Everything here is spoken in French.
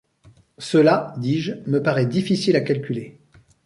Cela, dis-je, me parait difficile à calculer.